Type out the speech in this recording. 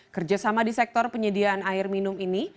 kerjasama di sektor penyediaan air minum ini